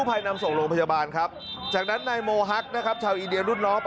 จริงจริงจริงจริงจริงจริงจริง